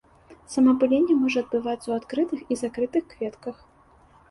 Самаапыленне можа адбывацца ў адкрытых і закрытых кветках.